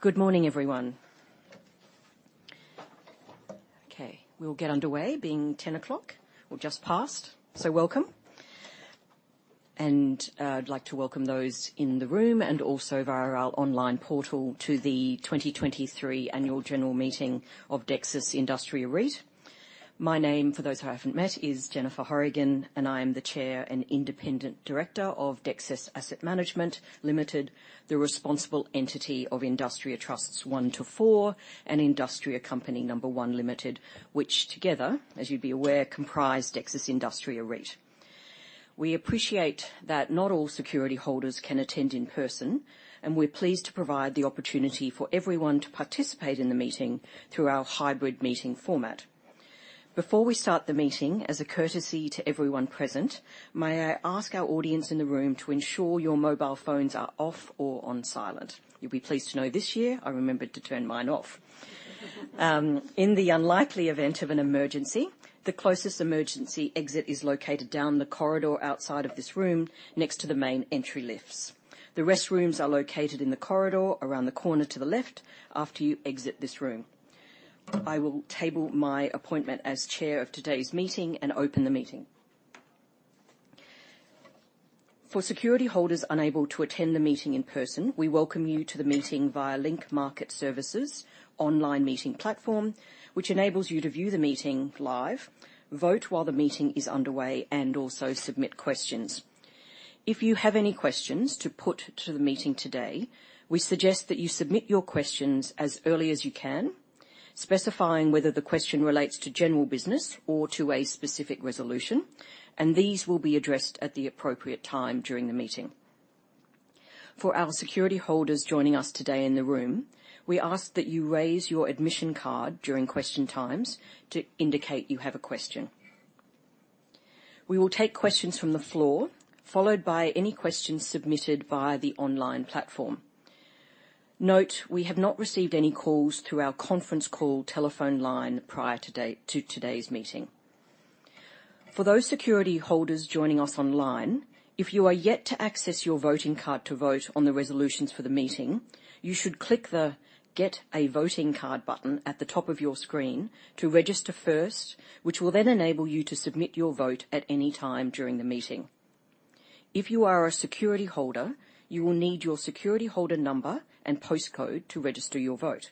Good morning, everyone. Okay, we'll get underway, being 10:00 A.M. or just past. So welcome, and I'd like to welcome those in the room and also via our online portal to the 2023 annual general meeting of Dexus Industria REIT. My name, for those who I haven't met, is Jennifer Horrigan, and I am the Chair and Independent Director of Dexus Asset Management Limited, the responsible entity of Industria Trusts 1 to 4, and Industria Company No. 1 Limited, which together, as you'd be aware, comprise Dexus Industria REIT. We appreciate that not all security holders can attend in person, and we're pleased to provide the opportunity for everyone to participate in the meeting through our hybrid meeting format. Before we start the meeting, as a courtesy to everyone present, may I ask our audience in the room to ensure your mobile phones are off or on silent. You'll be pleased to know this year I remembered to turn mine off. In the unlikely event of an emergency, the closest emergency exit is located down the corridor outside of this room, next to the main entry lifts. The restrooms are located in the corridor around the corner to the left after you exit this room. I will table my appointment as Chair of today's meeting and open the meeting. For security holders unable to attend the meeting in person, we welcome you to the meeting via Link Market Services online meeting platform, which enables you to view the meeting live, vote while the meeting is underway, and also submit questions. If you have any questions to put to the meeting today, we suggest that you submit your questions as early as you can, specifying whether the question relates to general business or to a specific resolution, and these will be addressed at the appropriate time during the meeting. For our security holders joining us today in the room, we ask that you raise your admission card during question times to indicate you have a question. We will take questions from the floor, followed by any questions submitted via the online platform. Note, we have not received any calls through our conference call telephone line prior to today's meeting. For those security holders joining us online, if you are yet to access your voting card to vote on the resolutions for the meeting, you should click the Get a Voting Card button at the top of your screen to register first, which will then enable you to submit your vote at any time during the meeting. If you are a security holder, you will need your security holder number and postcode to register your vote.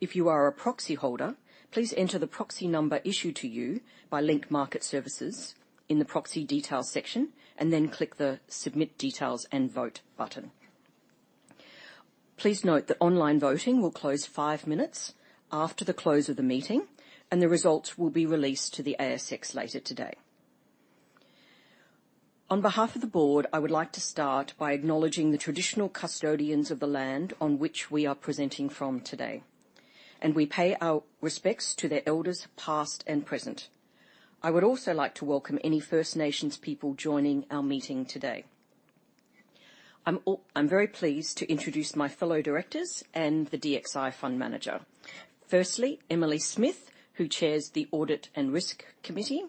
If you are a proxy holder, please enter the proxy number issued to you by Link Market Services in the Proxy Details section and then click the Submit Details and Vote button. Please note that online voting will close 5 minutes after the close of the meeting, and the results will be released to the ASX later today. On behalf of the board, I would like to start by acknowledging the traditional custodians of the land on which we are presenting from today, and we pay our respects to their elders, past and present. I would also like to welcome any First Nations people joining our meeting today. I'm very pleased to introduce my fellow directors and the DXI Fund Manager. Firstly, Emily Smith, who Chairs the Audit and Risk Committee,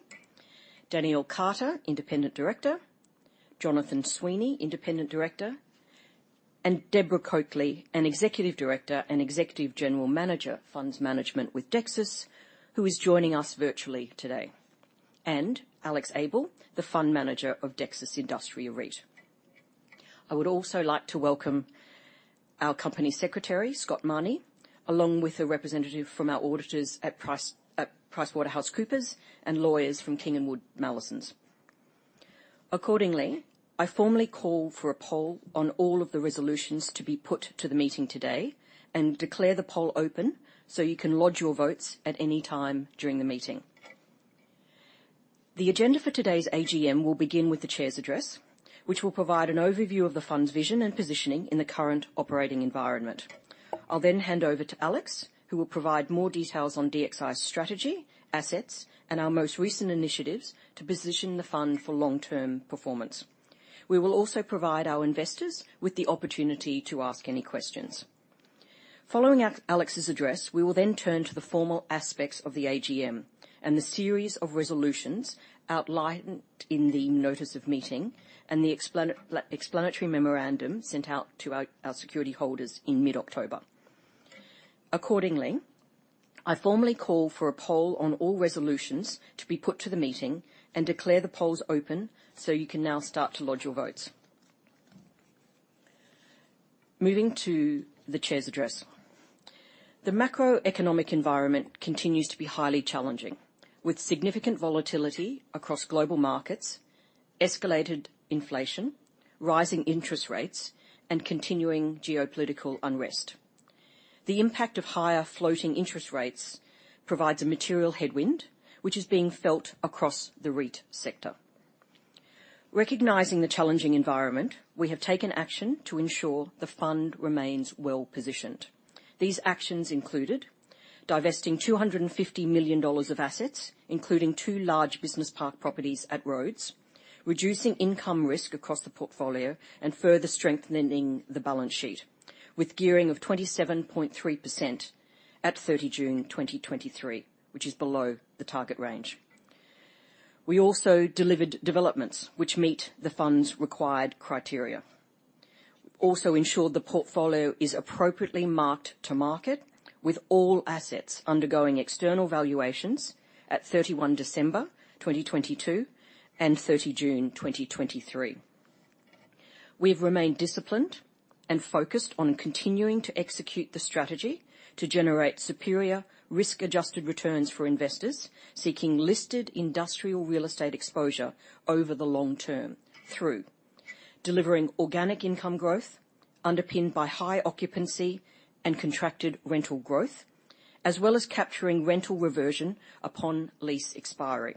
Danielle Carter, Independent Director, Jonathan Sweeney, Independent Director, and Deborah Coakley, an Executive Director and Executive General Manager, Funds Management with Dexus, who is joining us virtually today, and Alex Abell, the Fund Manager of Dexus Industria REIT. I would also like to welcome our Company Secretary, Scott Mahoney, along with a representative from our auditors at PricewaterhouseCoopers and lawyers from King & Wood Mallesons. Accordingly, I formally call for a poll on all of the resolutions to be put to the meeting today and declare the poll open so you can lodge your votes at any time during the meeting. The agenda for today's AGM will begin with the Chair's address, which will provide an overview of the Fund's vision and positioning in the current operating environment. I'll then hand over to Alex, who will provide more details on DXI's strategy, assets, and our most recent initiatives to position the Fund for long-term performance. We will also provide our investors with the opportunity to ask any questions. Following Alex's address, we will then turn to the formal aspects of the AGM and the series of resolutions outlined in the notice of meeting and the explanatory memorandum sent out to our security holders in mid-October. Accordingly, I formally call for a poll on all resolutions to be put to the meeting and declare the polls open, so you can now start to lodge your votes. Moving to the Chair's address. The macroeconomic environment continues to be highly challenging, with significant volatility across global markets, escalated inflation, rising interest rates, and continuing geopolitical unrest. The impact of higher floating interest rates provides a material headwind, which is being felt across the REIT sector. Recognizing the challenging environment, we have taken action to ensure the Fund remains well-positioned. These actions included divesting 250 million dollars of assets, including two large business park properties at Rhodes, reducing income risk across the portfolio, and further strengthening the balance sheet with gearing of 27.3% at 30 June 2023, which is below the target range. We also delivered developments which meet the fund's required criteria. Also ensured the portfolio is appropriately marked to market, with all assets undergoing external valuations at 31 December 2022 and 30 June 2023. We've remained disciplined and focused on continuing to execute the strategy to generate superior risk-adjusted returns for investors seeking listed industrial real estate exposure over the long term, through delivering organic income growth, underpinned by high occupancy and contracted rental growth, as well as capturing rental reversion upon lease expiry.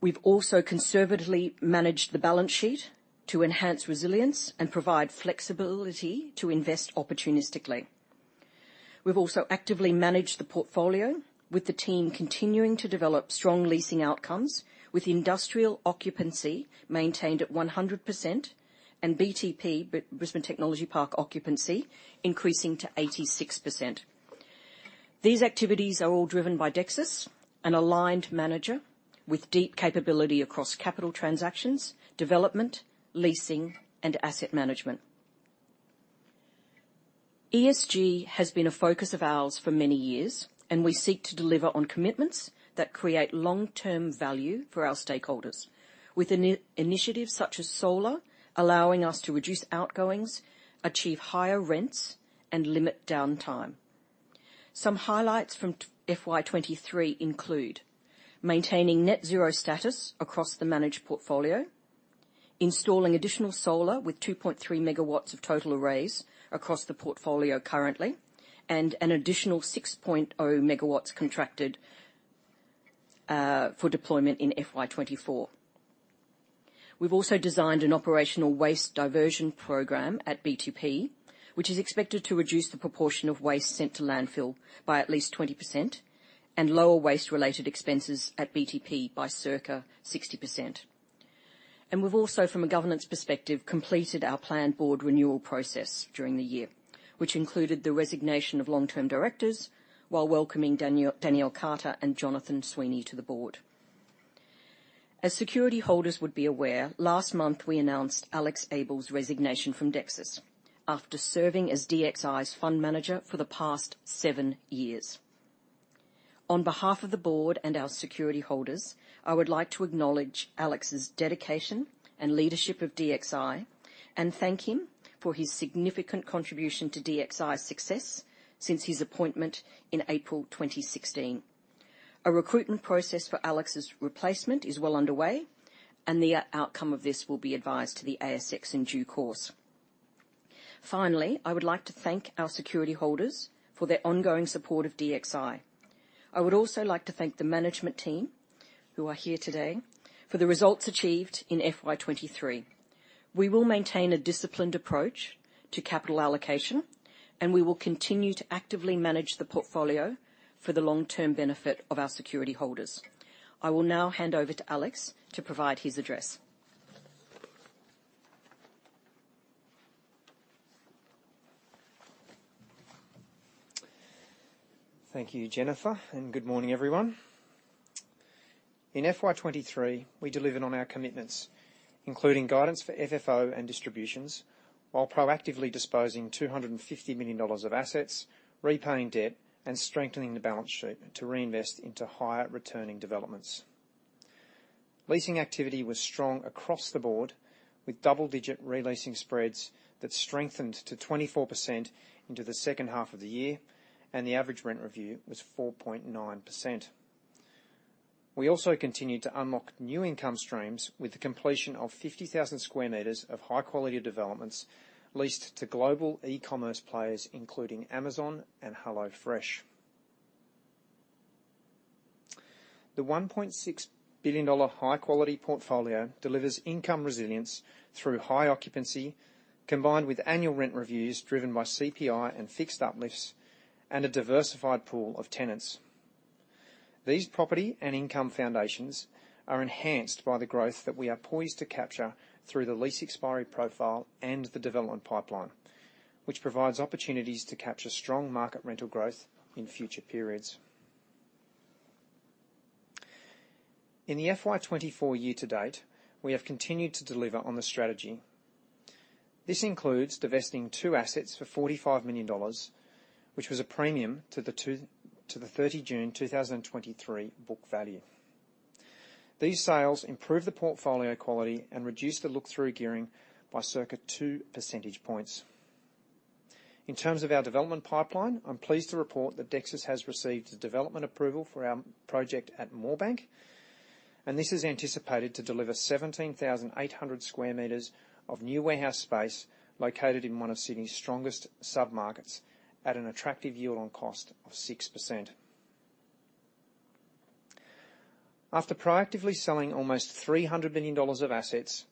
We've also conservatively managed the balance sheet to enhance resilience and provide flexibility to invest opportunistically. We've also actively managed the portfolio, with the team continuing to develop strong leasing outcomes, with industrial occupancy maintained at 100% and BTP, Brisbane Technology Park, occupancy increasing to 86%. These activities are all driven by Dexus, an aligned manager with deep capability across capital transactions, development, leasing, and asset management. ESG has been a focus of ours for many years, and we seek to deliver on commitments that create long-term value for our stakeholders, with initiatives such as solar, allowing us to reduce outgoings, achieve higher rents, and limit downtime. Some highlights from FY 2023 include: maintaining net zero status across the managed portfolio, installing additional solar with 2.3 megawatts of total arrays across the portfolio currently, and an additional 6.0 megawatts contracted for deployment in FY 2024. We've also designed an operational waste diversion program at BTP, which is expected to reduce the proportion of waste sent to landfill by at least 20% and lower waste-related expenses at BTP by circa 60%. And we've also, from a governance perspective, completed our planned board renewal process during the year, which included the resignation of long-term directors while welcoming Danielle Carter and Jonathan Sweeney to the board. As security holders would be aware, last month, we announced Alex Abell's resignation from Dexus after serving as DXI's fund manager for the past 7 years. On behalf of the board and our security holders, I would like to acknowledge Alex's dedication and leadership of DXI and thank him for his significant contribution to DXI's success since his appointment in April 2016. A recruitment process for Alex's replacement is well underway, and the outcome of this will be advised to the ASX in due course. Finally, I would like to thank our security holders for their ongoing support of DXI. I would also like to thank the management team, who are here today, for the results achieved in FY 2023. We will maintain a disciplined approach to capital allocation, and we will continue to actively manage the portfolio for the long-term benefit of our security holders. I will now hand over to Alex to provide his address. Thank you, Jennifer, and good morning, everyone. In FY 2023, we delivered on our commitments, including guidance for FFO and distributions, while proactively disposing 250 million dollars of assets, repaying debt, and strengthening the balance sheet to reinvest into higher returning developments. Leasing activity was strong across the board, with double-digit re-leasing spreads that strengthened to 24% into the second half of the year, and the average rent review was 4.9%. We also continued to unlock new income streams with the completion of 50,000 square meters of high-quality developments leased to global e-commerce players, including Amazon and HelloFresh. The 1.6 billion dollar high-quality portfolio delivers income resilience through high occupancy, combined with annual rent reviews driven by CPI and fixed uplifts, and a diversified pool of tenants. These property and income foundations are enhanced by the growth that we are poised to capture through the lease expiry profile and the development pipeline, which provides opportunities to capture strong market rental growth in future periods. In the FY 2024 year to date, we have continued to deliver on the strategy. This includes divesting two assets for 45 million dollars, which was a premium to the 30 June 2023 book value. These sales improve the portfolio quality and reduce the look-through gearing by circa 2 percentage points. In terms of our development pipeline, I'm pleased to report that Dexus has received the development approval for our project at Moorebank, and this is anticipated to deliver 17,800 square meters of new warehouse space located in one of Sydney's strongest submarkets at an attractive yield on cost of 6%. After proactively selling almost 300 million dollars of assets,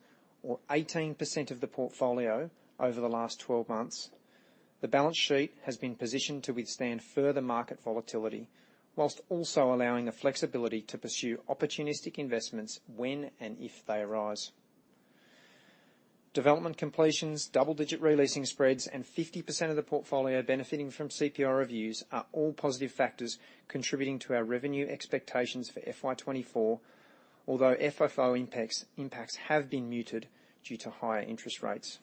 or 18% of the portfolio, over the last 12 months, the balance sheet has been positioned to withstand further market volatility, while also allowing the flexibility to pursue opportunistic investments when and if they arise. Development completions, double-digit re-leasing spreads, and 50% of the portfolio benefiting from CPI reviews are all positive factors contributing to our revenue expectations for FY 2024, although FFO impacts have been muted due to higher interest rates.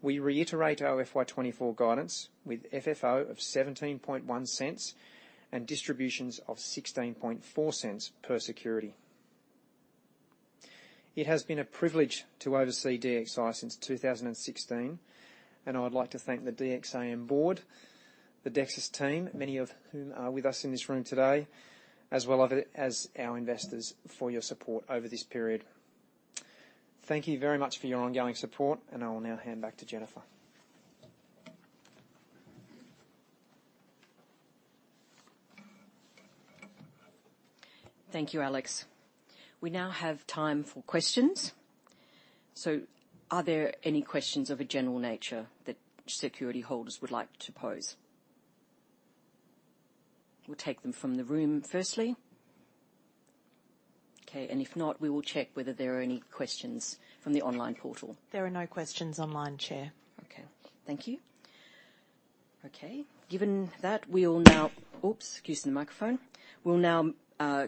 We reiterate our FY 2024 guidance, with FFO of 0.171 and distributions of 0.164 per security. It has been a privilege to oversee DXI since 2016, and I would like to thank the DXI board, the Dexus team, many of whom are with us in this room today, as well as our investors for your support over this period. Thank you very much for your ongoing support, and I will now hand back to Jennifer. Thank you, Alex. We now have time for questions. So are there any questions of a general nature that security holders would like to pose? We'll take them from the room firstly. Okay, and if not, we will check whether there are any questions from the online portal. There are no questions online, Chair. Okay. Thank you. Okay, given that, we will now. Oops, excuse the microphone. We'll now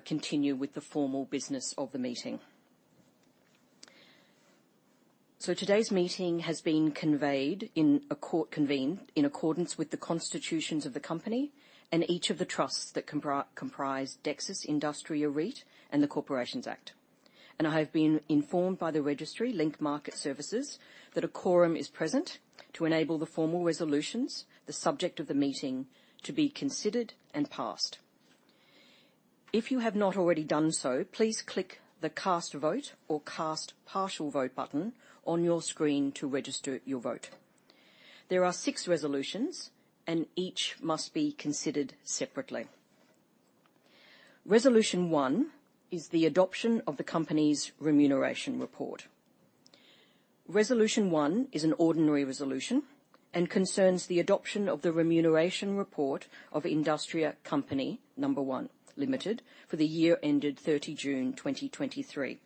continue with the formal business of the meeting. So today's meeting has been convened in accordance with the constitutions of the company and each of the trusts that comprise Dexus Industria REIT and the Corporations Act. And I have been informed by the registry, Link Market Services, that a quorum is present to enable the formal resolutions, the subject of the meeting, to be considered and passed. If you have not already done so, please click the Cast Vote or Cast Partial Vote button on your screen to register your vote. There are six resolutions, and each must be considered separately. Resolution one is the adoption of the company's remuneration report. Resolution 1 is an ordinary resolution and concerns the adoption of the remuneration report of Industria Company No. 1 Limited for the year ended 30 June, 2023.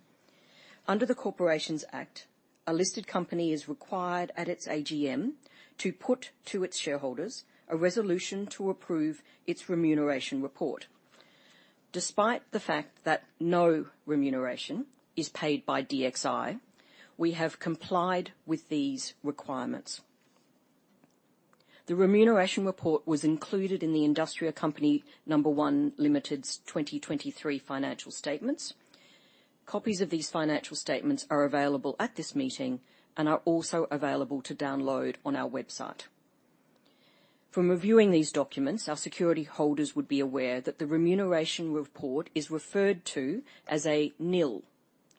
Under the Corporations Act, a listed company is required at its AGM to put to its shareholders a resolution to approve its remuneration report. Despite the fact that no remuneration is paid by DXI, we have complied with these requirements. The remuneration report was included in the Industria Company No. 1 Limited's 2023 financial statements. Copies of these financial statements are available at this meeting and are also available to download on our website. From reviewing these documents, our security holders would be aware that the remuneration report is referred to as a nil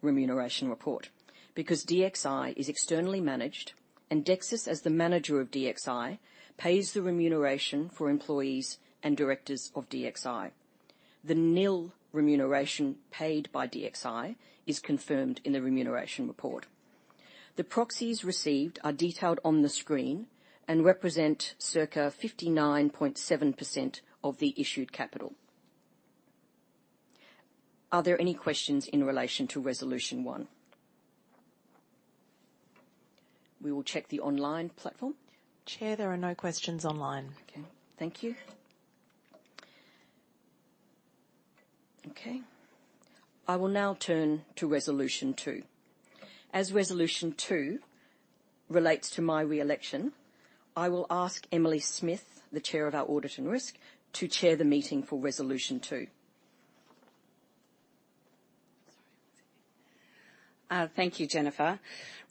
remuneration report, because DXI is externally managed, and Dexus, as the manager of DXI, pays the remuneration for employees and directors of DXI. The nil remuneration paid by DXI is confirmed in the Remuneration Report. The proxies received are detailed on the screen and represent circa 59.7% of the issued capital. Are there any questions in relation to Resolution 1? We will check the online platform. Chair, there are no questions online. Okay. Thank you. Okay, I will now turn to resolution 2. As resolution 2 relates to my re-election, I will ask Emily Smith, the Chair of our Audit and Risk, to chair the meeting for resolution 2. Thank you, Jennifer.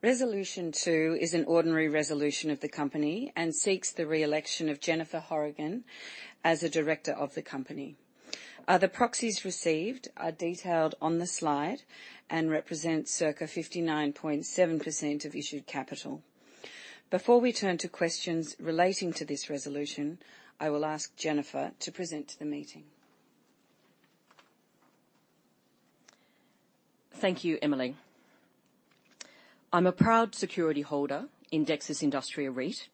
Resolution 2 is an ordinary resolution of the company and seeks the re-election of Jennifer Horrigan as a director of the company. The proxies received are detailed on the slide and represent circa 59.7% of issued capital. Before we turn to questions relating to this resolution, I will ask Jennifer to present to the meeting. Thank you, Emily. I'm a proud security holder in Dexus Industria REIT,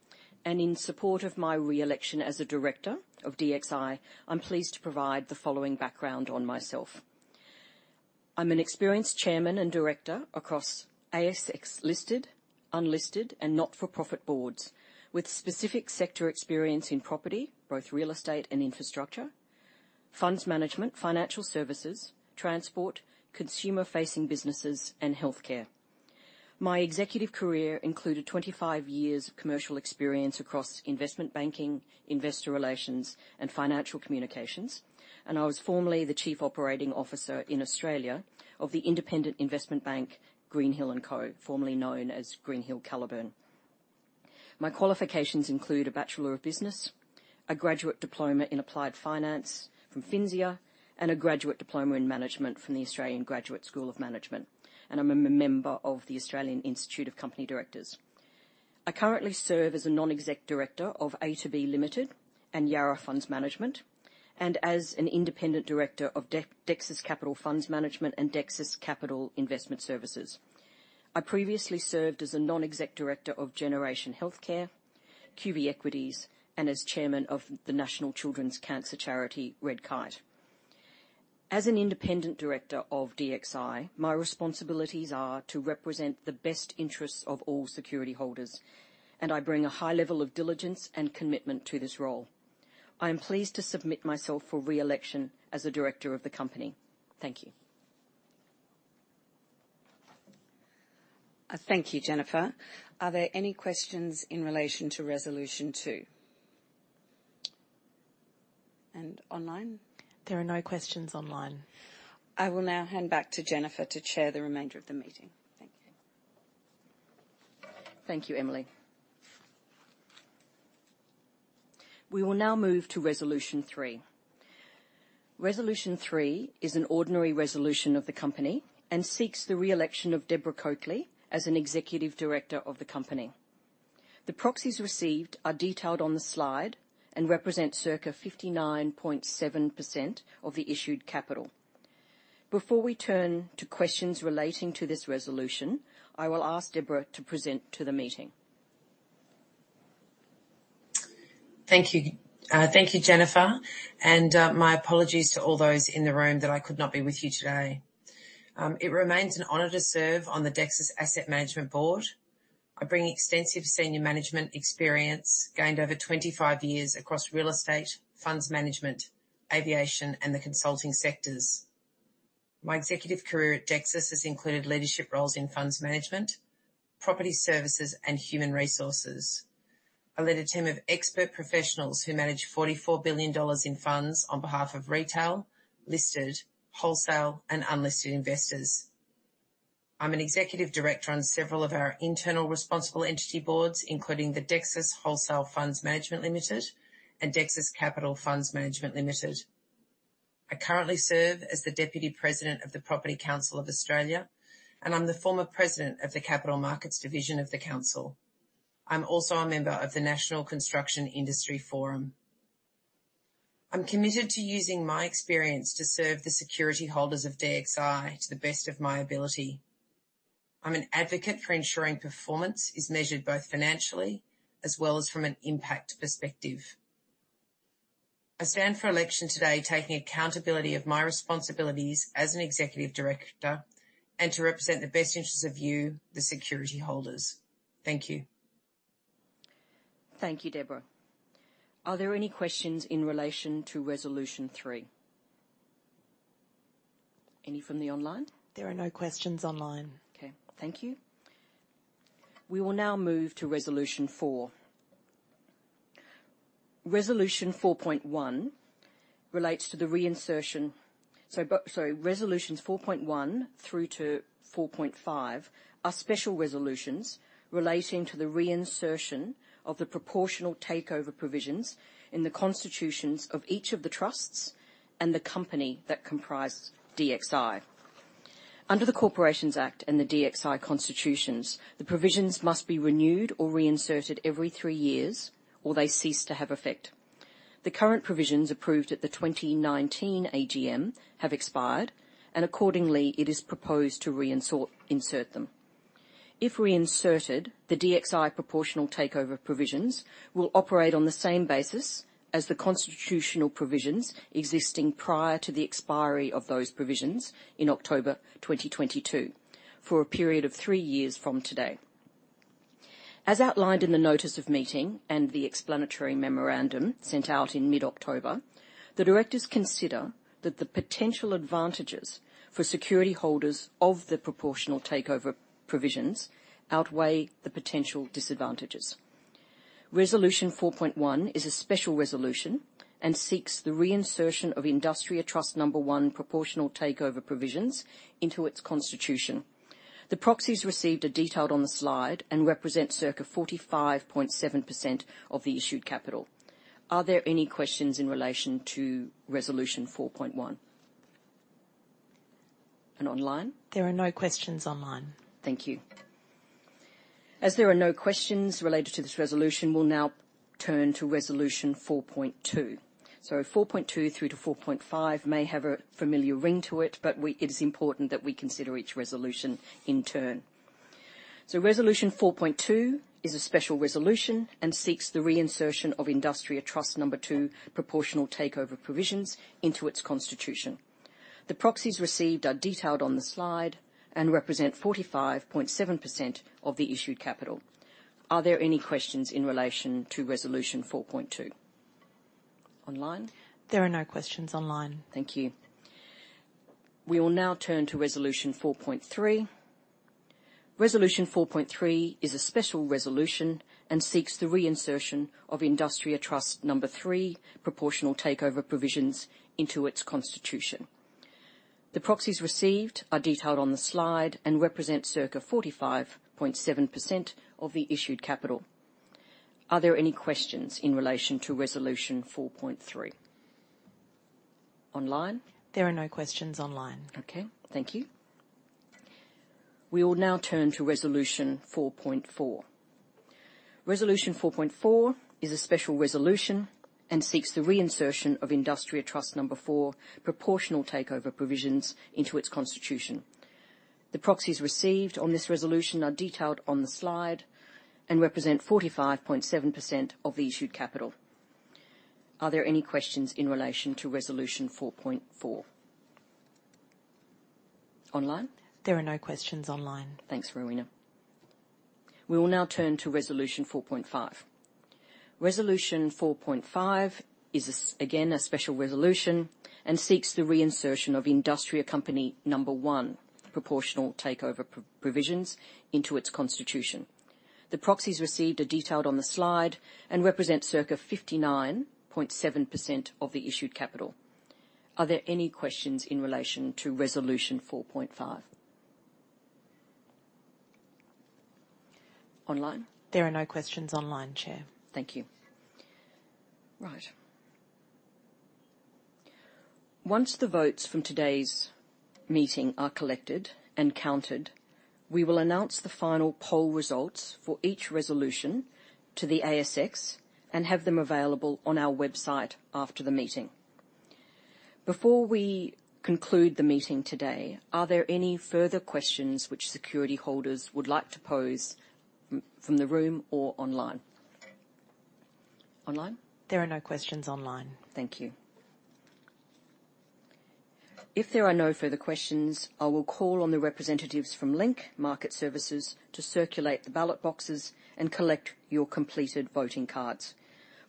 and in support of my re-election as a director of DXI, I'm pleased to provide the following background on myself. I'm an experienced chairman and director across ASX listed, unlisted, and not-for-profit boards, with specific sector experience in property, both real estate and infrastructure, funds management, financial services, transport, consumer-facing businesses, and healthcare. My executive career included 25 years of commercial experience across investment banking, investor relations, and financial communications, and I was formerly the Chief Operating Officer in Australia of the independent investment bank, Greenhill and Co, formerly known as Greenhill Caliburn. My qualifications include a Bachelor of Business, a Graduate Diploma in Applied Finance from Finsia, and a Graduate Diploma in Management from the Australian Graduate School of Management, and I'm a member of the Australian Institute of Company Directors. I currently serve as a non-exec director of A2B Limited and Yarra Funds Management, and as an independent director of Dexus Capital Funds Management and Dexus Capital Investment Services. I previously served as a non-exec director of Generation Healthcare, QV Equities, and as chairman of the National Children's Cancer Charity, Redkite.... As an independent director of DXI, my responsibilities are to represent the best interests of all security holders, and I bring a high level of diligence and commitment to this role. I am pleased to submit myself for re-election as a director of the company. Thank you. Thank you, Jennifer. Are there any questions in relation to Resolution Two? And online? There are no questions online. I will now hand back to Jennifer to chair the remainder of the meeting. Thank you. Thank you, Emily. We will now move to Resolution Three. Resolution Three is an ordinary resolution of the company and seeks the re-election of Deborah Coakley as an executive director of the company. The proxies received are detailed on the slide and represent circa 59.7% of the issued capital. Before we turn to questions relating to this resolution, I will ask Deborah to present to the meeting. Thank you. Thank you, Jennifer, and my apologies to all those in the room that I could not be with you today. It remains an honor to serve on the Dexus Asset Management Board. I bring extensive senior management experience, gained over 25 years across real estate, funds management, aviation, and the consulting sectors. My executive career at Dexus has included leadership roles in funds management, property services, and human resources. I led a team of expert professionals who manage 44 billion dollars in funds on behalf of retail, listed, wholesale, and unlisted investors. I'm an executive director on several of our internal responsible entity boards, including the Dexus Wholesale Funds Management Limited and Dexus Capital Funds Management Limited. I currently serve as the Deputy President of the Property Council of Australia, and I'm the former President of the Capital Markets Division of the Council. I'm also a member of the National Construction Industry Forum. I'm committed to using my experience to serve the security holders of DXI to the best of my ability. I'm an advocate for ensuring performance is measured both financially as well as from an impact perspective. I stand for election today taking accountability of my responsibilities as an executive director and to represent the best interests of you, the security holders. Thank you. Thank you, Deborah. Are there any questions in relation to Resolution Three? Any from the online? There are no questions online. Okay, thank you. We will now move to Resolution Four. Resolution 4.1 relates to the reinsertion. So, Resolutions 4.1 through to 4.5 are special resolutions relating to the reinsertion of the proportional takeover provisions in the constitutions of each of the trusts and the company that comprise DXI. Under the Corporations Act and the DXI constitutions, the provisions must be renewed or reinserted every 3 years, or they cease to have effect. The current provisions approved at the 2019 AGM have expired, and accordingly, it is proposed to reinsert, insert them. If reinserted, the DXI proportional takeover provisions will operate on the same basis as the constitutional provisions existing prior to the expiry of those provisions in October 2022, for a period of 3 years from today. As outlined in the Notice of Meeting and the explanatory memorandum sent out in mid-October, the directors consider that the potential advantages for security holders of the Proportional Takeover Provisions outweigh the potential disadvantages. Resolution 4.1 is a special resolution and seeks the reinsertion of Industria Trust No. 1 Proportional Takeover Provisions into its constitution. The proxies received are detailed on the slide and represent circa 45.7% of the issued capital. Are there any questions in relation to Resolution 4.1? And online? There are no questions online. Thank you. As there are no questions related to this resolution, we'll now turn to Resolution 4.2. So 4.2 through to 4.5 may have a familiar ring to it, but it is important that we consider each resolution in turn. So Resolution 4.2 is a special resolution and seeks the reinsertion of Industria Trust No. 2 Proportional Takeover Provisions into its constitution. The proxies received are detailed on the slide and represent 45.7% of the issued capital. Are there any questions in relation to Resolution 4.2? Online? There are no questions online. Thank you. We will now turn to Resolution 4.3. Resolution 4.3 is a special resolution and seeks the reinsertion of Industria Trust No. 3 proportional takeover provisions into its constitution. The proxies received are detailed on the slide and represent circa 45.7% of the issued capital. Are there any questions in relation to Resolution 4.3? Online? There are no questions online. Okay, thank you. We will now turn to Resolution 4.4. Resolution 4.4 is a special resolution and seeks the reinsertion of Industria Trust No. 4 Proportional Takeover Provisions into its constitution. The proxies received on this resolution are detailed on the slide and represent 45.7% of the issued capital. Are there any questions in relation to Resolution 4.4? Online? There are no questions online. Thanks, Rowena. We will now turn to Resolution 4.5. Resolution 4.5 is, again, a special resolution and seeks the reinsertion of Industria Company No. 1 proportional takeover provisions into its constitution. The proxies received are detailed on the slide and represent circa 59.7% of the issued capital. Are there any questions in relation to Resolution 4.5? Online? There are no questions online, Chair. Thank you. Right. Once the votes from today's meeting are collected and counted, we will announce the final poll results for each resolution to the ASX and have them available on our website after the meeting. Before we conclude the meeting today, are there any further questions which security holders would like to pose from the room or online? Online? There are no questions online. Thank you. If there are no further questions, I will call on the representatives from Link Market Services to circulate the ballot boxes and collect your completed voting cards.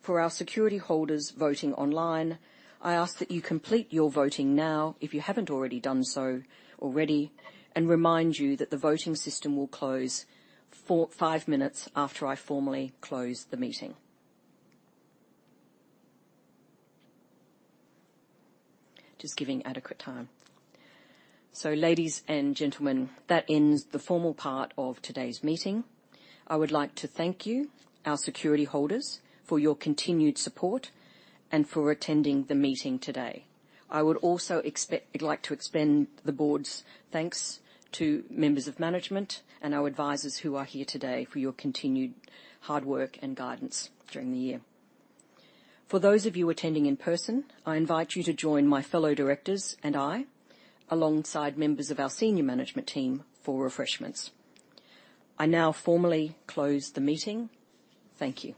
For our security holders voting online, I ask that you complete your voting now, if you haven't already done so already, and remind you that the voting system will close 5 minutes after I formally close the meeting. Just giving adequate time. So ladies and gentlemen, that ends the formal part of today's meeting. I would like to thank you, our security holders, for your continued support and for attending the meeting today. I'd like to extend the board's thanks to members of management and our advisors who are here today, for your continued hard work and guidance during the year. For those of you attending in person, I invite you to join my fellow directors and I, alongside members of our senior management team, for refreshments. I now formally close the meeting. Thank you.